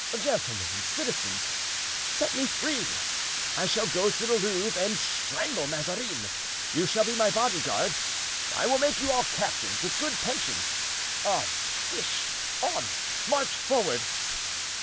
Gentlemen and citizens, set me free; I shall go to the Louvre and strangle Mazarin. You shall be my body guard. I will make you all captains, with good pensions! Odds fish! On! march forward!"